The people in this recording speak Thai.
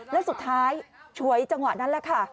แล้วสุดท้ายฉวยจังหวะนั้นแหละค่ะ